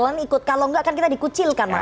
kalau ikut kalau enggak kan kita dikucilkan mas